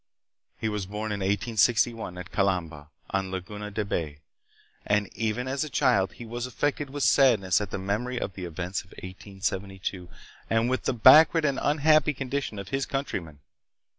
He was born in 1861 at Calamba, on Laguna de Bay, and even as a child he was affected with sadness at the memory of the events of 1872 and with the backward and un happy condition of his countrymen.